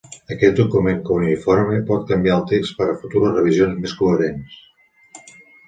Aquest document cuneïforme pot canviar el text per a futures revisions més coherents.